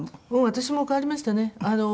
私も変わりましたね。